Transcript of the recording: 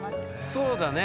そうだね。